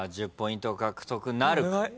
１０ポイント獲得なるか？